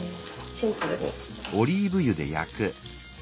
シンプルに。